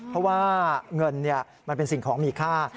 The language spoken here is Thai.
เพราะว่าเงินมันเป็นสิ่งของมีค่า